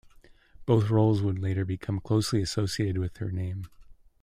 Both roles would later become closely associated with her name.